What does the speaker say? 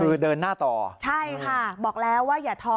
คือเดินหน้าต่อใช่ค่ะบอกแล้วว่าอย่าท้อ